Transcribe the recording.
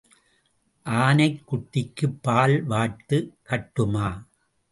ஆனைக் குட்டிக்குப் பால் வார்த்துக் கட்டுமா?